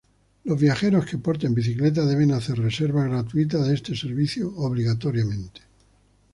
Los viajeros que porten bicicleta deben hacer reserva gratuita de este servicio obligatoriamente.